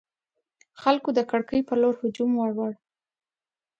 خلکو د کړکۍ پر لور هجوم وروړ.